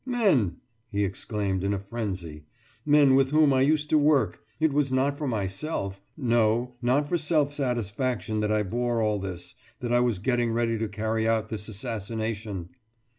Men!« he exclaimed in a frenzy. »Men with whom I used to work. It was not for myself no, not for self satisfaction that I bore all this, that I was getting ready to carry out this assassination!